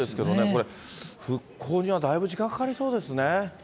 これ、復興にはだいぶ時間かかりそうですね。